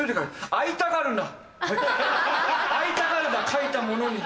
会いたがるな描いた者に。